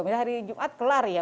misalnya hari jumat kelar ya